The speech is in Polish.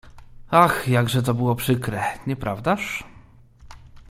"Ach, jakże to było przykre, nieprawdaż?"